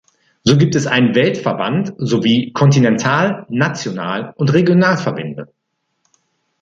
So gibt es einen Weltverband sowie Kontinental-, National- und Regionalverbände.